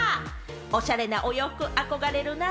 おしゃれなお洋服、憧れるな！